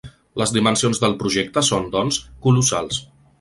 Les dimensions del projecte són, doncs, colossals.